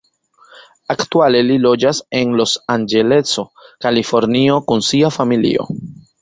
Aktuale li loĝas en Losanĝeleso, Kalifornio kun sia familio.